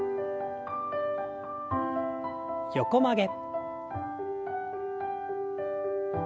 横曲げ。